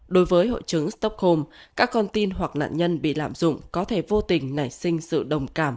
đối với hội chứng stockholm các con tin hoặc nạn nhân bị lạm dụng có thể vô tình nảy sinh sự đồng cảm